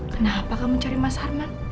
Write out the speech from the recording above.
kenapa kamu cari mas harman